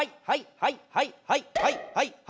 はい。